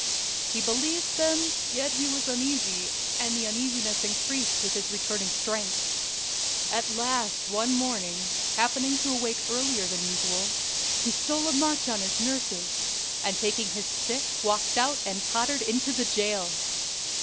He believed them, yet he was uneasy; and this uneasiness increased with his returning strength. At last one morning, happening to awake earlier than usual, he stole a march on his nurses, and taking his stick walked out and tottered into the jail.